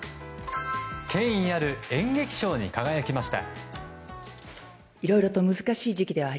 権威ある演劇賞に輝きました。